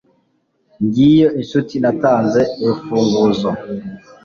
Ngiyo inshuti natanze urufunguzo